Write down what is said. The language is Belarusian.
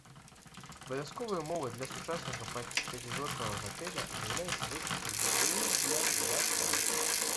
Абавязковай умовай для сучаснага пяцізоркавага гатэля з'яўляецца выгляд з акна.